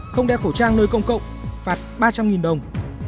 một không đeo khẩu trang nơi công cộng phạt ba trăm linh đồng